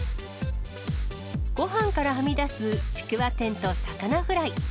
ごはんからはみ出すちくわ天と魚フライ。